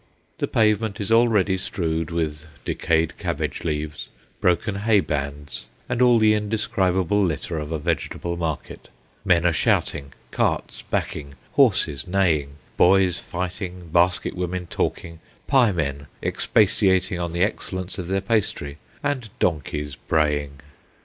The pavement is already strewed with decayed cabbage leaves, broken hay bands, and all the inde scribable litter of a vegetable market ; men are shouting, carts backing, horses neighing, boys fighting, basket women talking, piemen ex patiating on the excellence of their pastry, and donkeys braying.